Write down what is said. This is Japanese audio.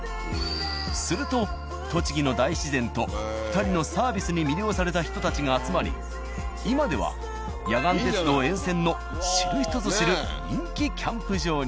すると栃木の大自然と２人のサービスに魅了された人たちが集まり今では野岩鉄道沿線の知る人ぞ知る人気キャンプ場に。